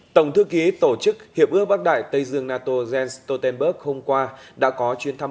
tổng thư ký tổ chức hiệp ước bắc đại tây dương nato jens stoltenberg hôm qua đã có chuyến thăm